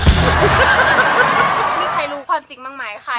มีใครรู้ความจริงบางมายใคร